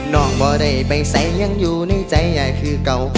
น้องบ่ได้ไปใส่ยังอยู่ในใจยายคือเก่า